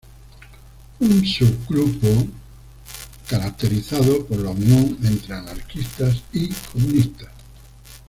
Un sub grupo caracterizado por la unión entre anarquistas y comunistas.